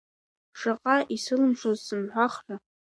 Шаҟа исылымшаз сымҳәахра…